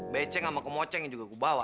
beceng sama kemoceng yang juga kubawa